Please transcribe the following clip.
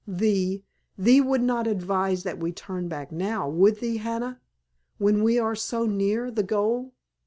Thee—thee would not advise that we turn back now, would thee, Hannah? When we are so near the goal?"